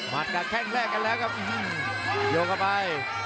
กับแข้งแรกกันแล้วครับโยกเข้าไป